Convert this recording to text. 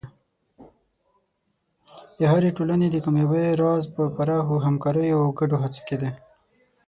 د هرې ټولنې د کامیابۍ راز په پراخو همکاریو او ګډو هڅو کې دی.